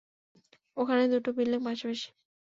ওখানে দুটো বিল্ডিং পাশাপাশি।